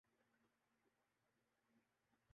اہل حدیث عالم کی رائے ہو گی کہ ایک واقع ہوئی ہے۔